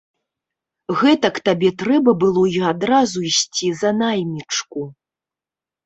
Гэтак табе трэба было і адразу ісці за наймічку!